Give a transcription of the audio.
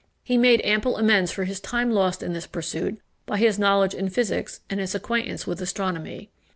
He made ample amends for his time lost in this pursuit by his knowledge in physics and his acquaintance with astronomy.